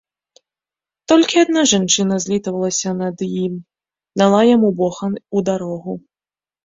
Толькі адна жанчына злітавалася над ім, дала яму бохан у дарогу.